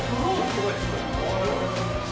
・すごい！